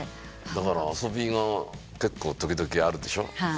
だから遊びが結構時々あるでしょ。